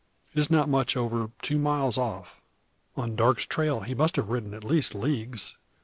It is not much over two miles off. On Darke's trail he must have ridden at least leagues.